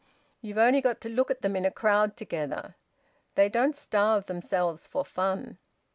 You've only got to look at them in a crowd together. They don't starve themselves for fun."